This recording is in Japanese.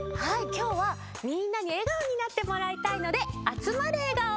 きょうはみんなにえがおになってもらいたいので「あつまれ！笑顔」をうたいます。